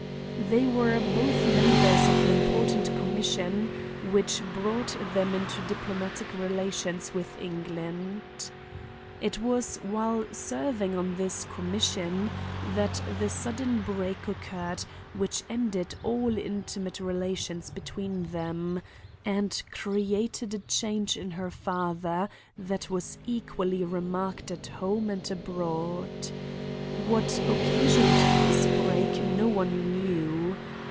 They were both members of an important commission which brought them into diplomatic relations with England. It was while serving on this commission that the sudden break occurred which ended all intimate relations between them, and created a change in her father that was equally remarked at home and abroad. What occasioned this break no one knew.